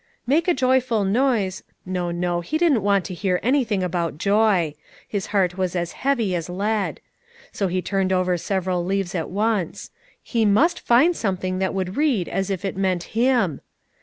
"Make a joyful noise " No, no! he didn't want to hear anything about joy; his heart was as heavy as lead. So he turned over several leaves at once: he must find something that would read as if it meant him.